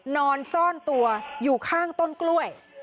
นอนซ่อนตัวอยู่ข้างต้นกล้วย